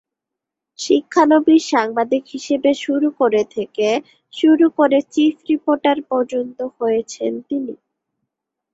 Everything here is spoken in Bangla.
শিক্ষানবিশ সাংবাদিক হিসেবে শুরু করে থেকে শুরু করে চিফ রিপোর্টার পর্যন্ত হয়েছেন তিনি।